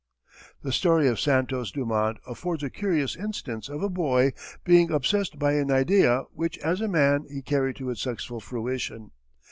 The story of Santos Dumont affords a curious instance of a boy being obsessed by an idea which as a man he carried to its successful fruition.